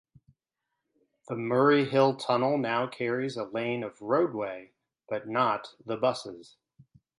The Murray Hill Tunnel now carries a lane of roadway, but not the buses.